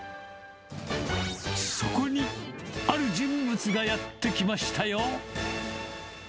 そこに、ある人物がやって来ましたよ。